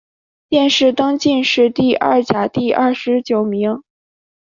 殿试登进士第二甲第二十九名。